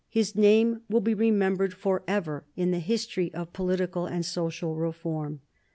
His name will be remembered forever in the history of political and social reform.